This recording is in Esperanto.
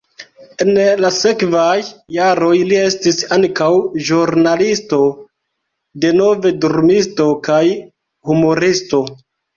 En la sekvaj jaroj li estis ankaŭ ĵurnalisto, denove drumisto kaj humuristo.